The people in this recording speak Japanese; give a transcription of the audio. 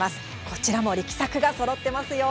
こちらも力作がそろっていますよ。